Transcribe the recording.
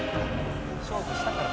勝負したから。